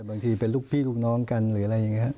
บางทีเป็นลูกพี่ลูกน้องกันหรืออะไรอย่างนี้ครับ